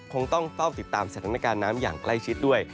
คงต้องเฝ้าติดตามสถานการณ์น้ำอย่างใกล้ชิดด้วย